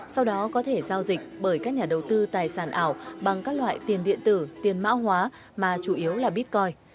sau đó có thể giao dịch bởi các nhà đầu tư tài sản ảo bằng các loại tiền điện tử tiền mã hóa mà chủ yếu là bitcoin